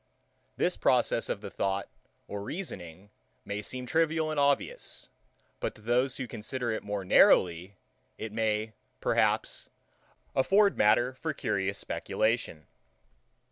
This process of the thought or reasoning may seem trivial and obvious; but to those who consider it more narrowly, it may, perhaps, afford matter for curious speculation.